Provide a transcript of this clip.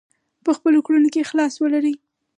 په خپلو کړنو کې اخلاص ولرئ.